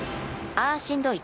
ああしんどい。